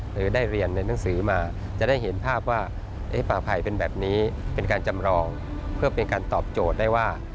หรือได้เรียนในหนังสือมาจะได้เห็นภาพว่าป่าภัยเป็นแบบนี้เป็นการจำลองเพื่อเป็นการตอบโจทย์ได้ว่า